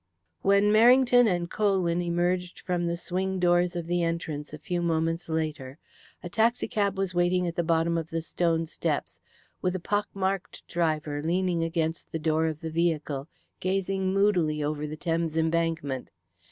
When Merrington and Colwyn emerged from the swing doors of the entrance a few moments later, a taxi cab was waiting at the bottom of the stone steps, with a pockmarked driver leaning against the door of the vehicle, gazing moodily over the Thames Embankment.